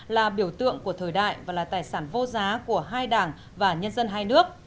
là biểu tượng của thời đại và là tài sản vô giá của hai đảng và nhân dân hai nước